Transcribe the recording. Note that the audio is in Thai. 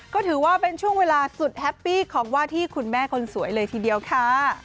ก็ถือว่าเป็นช่วงเวลาสุดแฮปปี้ของว่าที่คุณแม่คนสวยเลยทีเดียวค่ะ